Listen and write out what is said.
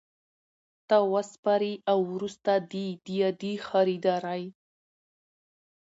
ته وسپاري او وروسته دي د یادي خریدارۍ